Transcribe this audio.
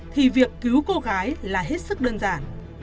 thì việc cứu cô gái là hết sức đơn giản